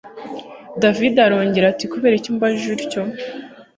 david arongera ati kuberiki umbajije utyo!